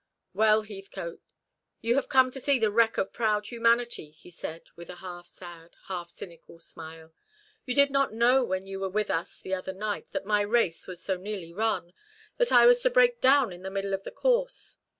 "Well, Heathcote, you have come to see the wreck of proud humanity," he said, with a half sad, half cynical smile. "You did not know when you were with us the other night that my race was so nearly run, that I was to break down in the middle of the course.